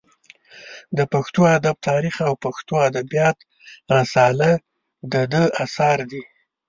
د پښتو ادب تاریخ او پښتو ادبیات رساله د ده اثار دي.